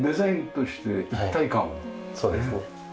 そうですね。